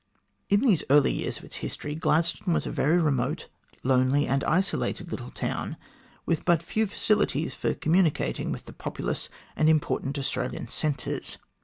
In these early years of its history, Gladstone was a very remote, lonely, and isolated little town, with but few facilities for communicating with the populous and important Austra lian centres.